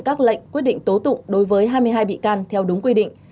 các lệnh quyết định tố tụng đối với hai mươi hai bị can theo đúng quy định